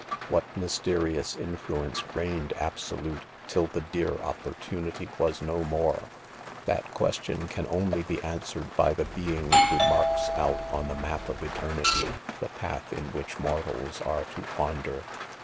..'■» What mysterious influence reigned absolute til the dear opportunity was no more V That question Can only he answered fey the. being who marks out, on the: map of eternity, the path iir which mortals are to . wander.